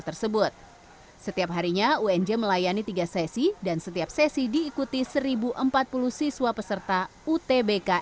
tersebut setiap harinya unj melayani tiga sesi dan setiap sesi diikuti seribu empat puluh siswa peserta utbk